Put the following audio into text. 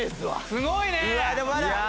すごいね！